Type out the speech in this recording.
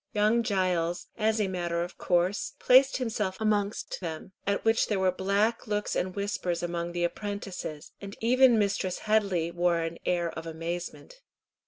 Young Giles, as a matter of course, placed himself amongst them, at which there were black looks and whispers among the apprentices, and even Mistress Headley wore an air of amazement.